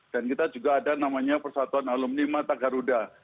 dan kita juga ada namanya persatuan alumni mata garuda